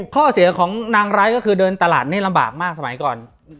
ข้อเสียของนางร้ายก็คือเดินตลาดนี่ลำบากมากสมัยก่อน